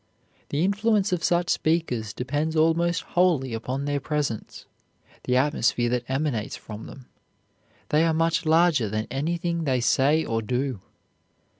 The influence of such speakers depends almost wholly upon their presence, the atmosphere that emanates from them. They are much larger than anything they say or do.